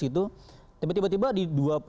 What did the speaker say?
tiba tiba di dua puluh tujuh